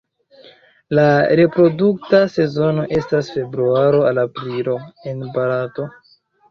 La reprodukta sezono estas februaro al aprilo en Barato.